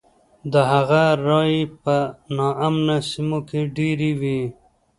د هغه رایې په نا امنه سیمو کې ډېرې وې.